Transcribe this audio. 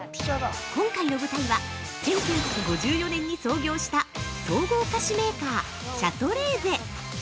◆今回の舞台は、１９５４年に創業した総合菓子メーカー・シャトレーゼ。